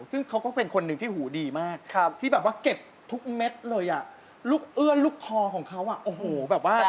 ฮักอายชอบมาจนแย่ส่อยให้เป็นรักแท้สู่เรา